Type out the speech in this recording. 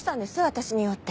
私に用って。